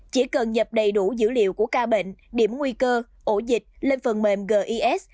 chỉ cần nhập đầy đủ dữ liệu của ca bệnh điểm nguy cơ ổ dịch lên phần mềm gis